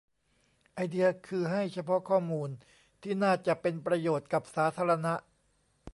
ไอเดียคือให้เฉพาะข้อมูลที่น่าจะเป็นประโยชน์กับสาธารณะ